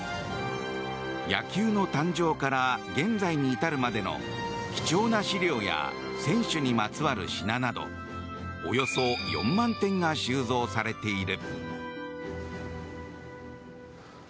野球の誕生から現在に至るまでの貴重な資料や選手にまつわる品などおよそ４万点が収蔵されている。